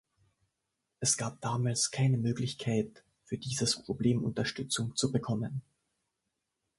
Es gab damals keine Möglichkeit, für dieses Problem Unterstützung zu bekommen.